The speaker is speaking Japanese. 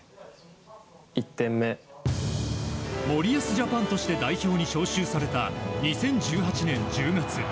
森保ジャパンとして代表に召集された２０１８年１０月。